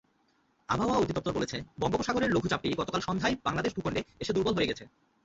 আবহাওয়া অধিদপ্তর বলছে, বঙ্গোপসাগরের লঘুচাপটি গতকাল সন্ধ্যায় বাংলাদেশের ভূখণ্ডে এসে দুর্বল হয়ে গেছে।